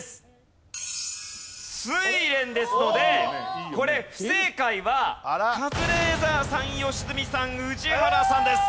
『睡蓮』ですのでこれ不正解はカズレーザーさん良純さん宇治原さんです。